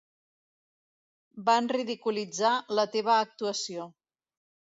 Van ridiculitzar la teva actuació.